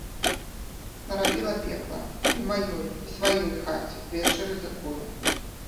Нарабіла пекла і маёй, і сваёй хаце ды яшчэ рызыкуе.